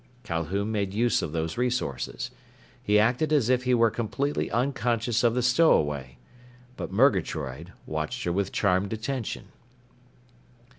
Calhoun made use of those resources. He acted as if he were completely unconscious of the stowaway. But Murgatroyd watched her with charmed attention.